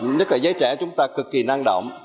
nhất là giới trẻ chúng ta cực kỳ năng động